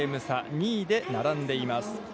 ２位で並んでいます。